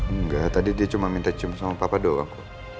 enggak tadi dia cuma minta cium sama papa doang